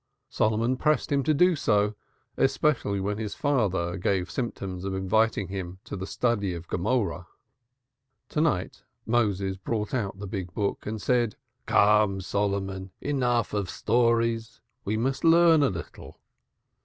Solomon pressed him to do so, especially when his father gave symptoms of inviting him to the study of Rashi's Commentary. To night Moses brought out a Hebrew tome, and said, "Come, Solomon. Enough of stories. We must learn a little."